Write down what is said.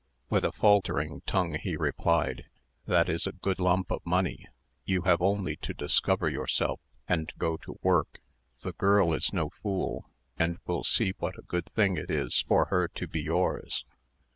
With a faltering tongue he replied, "That is a good lump of money; you have only to discover yourself, and go to work: the girl is no fool, and will see what a good thing it will be for her to be yours."